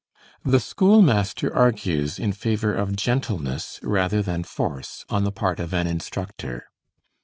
'The Schoolmaster' argues in favor of gentleness rather than force on the part of an instructor.